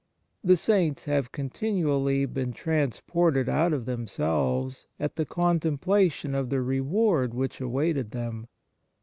The Saints have continually been trans ported out of themselves at the contempla tion of the reward which awaited them.